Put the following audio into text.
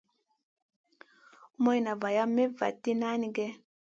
Morna valam Mey vanti nanigue.